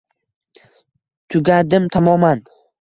Tugadim tamoman.